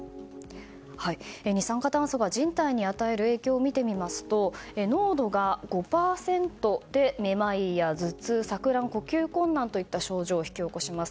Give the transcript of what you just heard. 二酸化炭素が人体に与える影響を見てみますと濃度が５％でめまいや頭痛錯乱、呼吸困難といった症状を引き起こします。